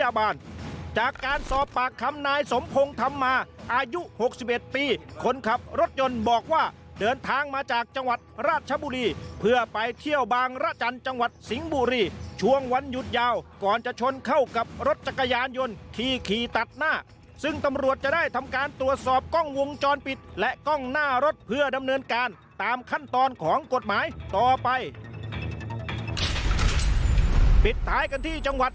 จากการสอบปากคำนายสมพงศ์ธรรมาอายุ๖๑ปีคนขับรถยนต์บอกว่าเดินทางมาจากจังหวัดราชบุรีเพื่อไปเที่ยวบางระจันทร์จังหวัดสิงห์บุรีช่วงวันหยุดยาวก่อนจะชนเข้ากับรถจักรยานยนต์ขี่ขี่ตัดหน้าซึ่งตำรวจจะได้ทำการตรวจสอบกล้องวงจรปิดและกล้องหน้ารถเพื่อดำเนินการตามขั้นตอนของกฎหมายต่อไปปิดท้ายกันที่จังหวัด